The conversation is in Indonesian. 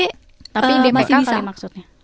tapi dpk kali maksudnya